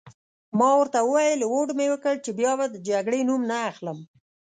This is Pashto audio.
ما ورته وویل: هوډ مي وکړ چي بیا به د جګړې نوم نه اخلم.